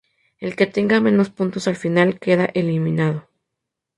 El que tenga menos puntos al final queda eliminado.